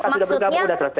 pilpresnya sudah selesai